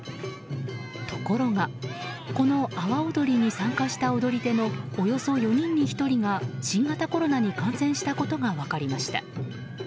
ところが、この阿波おどりに参加した踊り手のおよそ４人に１人が新型コロナに感染したことが分かりました。